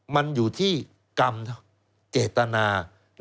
มันอยู่ที่กรรมเจตนา